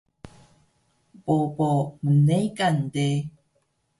Bobo mnekan de